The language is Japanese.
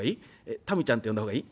たみちゃんって呼んだ方がいい？